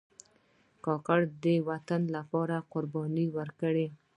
کاکړ د وطن لپاره قربانۍ ورکړي.